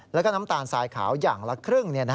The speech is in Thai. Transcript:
แล้วก็น้ำตาลทรายขาวอย่างละครึ่ง